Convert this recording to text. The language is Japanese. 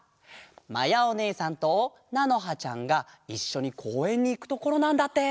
まやおねえさんとなのはちゃんがいっしょにこうえんにいくところなんだって！